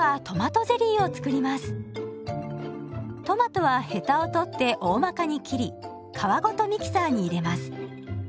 トマトはヘタを取っておおまかに切り皮ごとミキサーに入れます。